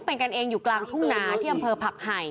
เป็นกันเองอยู่กลางทุ่งนาที่อำเภอผักไห่